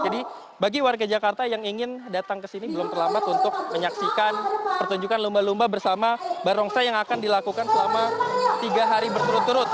jadi bagi warga jakarta yang ingin datang ke sini belum terlambat untuk menyaksikan pertunjukan lumba lumba bersama barongsai yang akan dilakukan selama tiga hari berturut turut